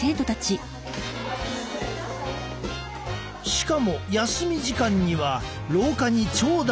しかも休み時間には廊下に長蛇の列が。